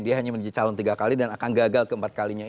dia hanya menjadi calon tiga kali dan akan gagal keempat kalinya